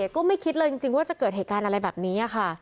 ก็ไม่คิดเลยจริงว่าจะเกิดเหตุการณ์อะไรแบบนี้ค่ะ